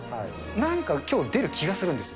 なんかきょう出る気がするんですよ。